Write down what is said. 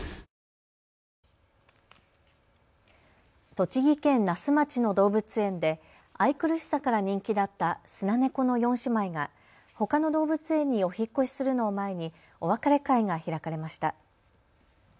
栃木県那須町の動物園で愛くるしさから人気だったスナネコの４姉妹がほかの動物園にお引っ越しするのを前にお別れ会が開かれました。